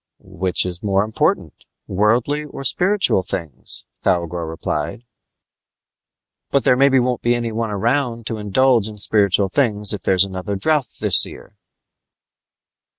"Which is more important, worldly or spiritual things?" Thougor replied. "But there maybe won't be anyone around to indulge in spiritual things if there's another drouth this year!"